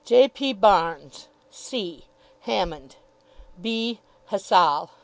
_ J. P. Barnes, c. Hammond, b. Hassall...